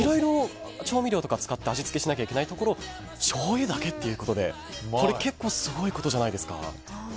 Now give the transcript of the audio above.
本来だとみりんだとかいろいろ調味料を使って味付けしなきゃいけないところをしょうゆだけということで結構すごいことじゃないですか。